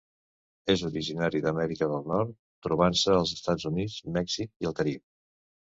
És originari d'Amèrica del Nord, trobant-se als Estats Units, Mèxic i el Carib.